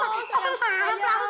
tidur aja sayang